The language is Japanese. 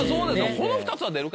この２つは出るかな。